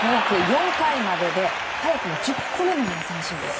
４回までで早くも１０個目の三振です。